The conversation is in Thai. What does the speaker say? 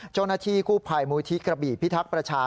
เจ้าหน้าที่กู้ภัยมูลที่กระบี่พิทักษ์ประชา